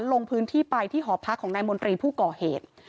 ลงพื้นที่ไปที่หอพักของนายมนตรีผู้ก่อเหตุ